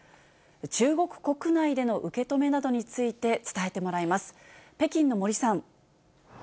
中国国内での受け止めなどについて伝えてもらいます。